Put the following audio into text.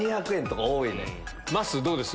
まっすーどうです？